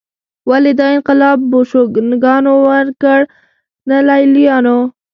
ولې دا انقلاب بوشونګانو وکړ نه لېلیانو